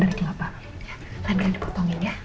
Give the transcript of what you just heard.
labelnya dipotongin ya